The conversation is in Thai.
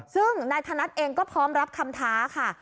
ซึ่งนายธนัดเองก็พร้อมรับคำท้าค่ะ